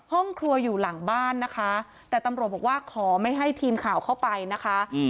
ห้องครัวอยู่หลังบ้านนะคะแต่ตำรวจบอกว่าขอไม่ให้ทีมข่าวเข้าไปนะคะ